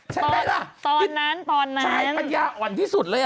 ใช่ไหมล่ะตอนนั้นตอนนั้นใช่ปัญญาอ่อนที่สุดเลย